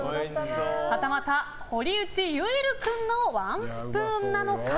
はたまた堀内結流君のワンスプーンなのか。